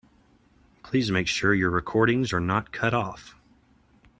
Please make sure your recordings are not cut off.